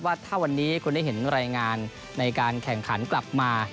ว่าถ้าวันนี้คุณได้เห็นรายงานในการแข่งขันกลับมา